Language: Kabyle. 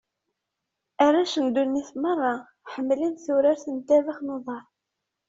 Arrac n ddunit merra, ḥemmlen turart n ddabax n uḍar.